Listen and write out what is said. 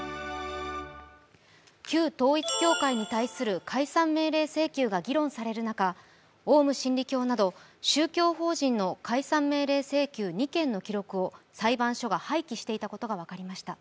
旧統一教会に対する解散命令請求が議論される中オウム真理教など、宗教法人の解散命令請求２件の記録を裁判所が廃棄していたことが分かりました。